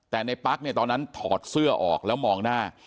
ตอนนั้นถอดเสื้อออกแล้วมองหน้า